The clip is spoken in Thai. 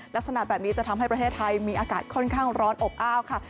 ลักษณะแบบนี้จะทำให้ประเทศไทยมีอากาศค่อนข้างร้อนอบอ้าวค่ะ